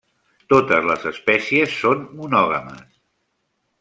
Totes les espècies són monògames.